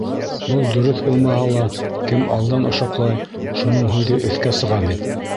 Был дөрөҫ булмаһа ла, кем алдан ошаҡлай, шуның һүҙе өҫкә сыға бит.